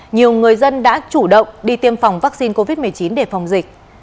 nhiều người dân đã chủ động đi tiêm phòng vaccine covid một mươi chín để phòng dịch